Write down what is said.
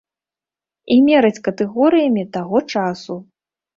І мераць катэгорыямі таго часу.